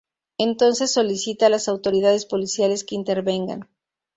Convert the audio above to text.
Entonces solicita a las autoridades policiales que intervengan.